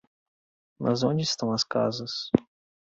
Mas onde estão as casas?